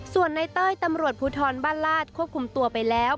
ส่วนในเต้ยตำรวจภูทรบ้านลาดควบคุมตัวไปแล้ว